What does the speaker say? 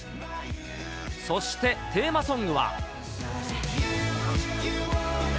そして、テーマソングは。